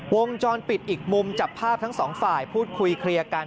วงจรปิดอีกมุมจับภาพทั้งสองฝ่ายพูดคุยเคลียร์กัน